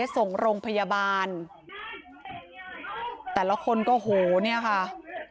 ส่งโรงพยาบาลแต่ละคนก็โหเนี่ยค่ะ